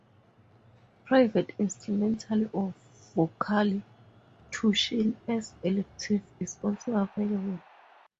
Private instrumental or vocal tuition as electives, is also available.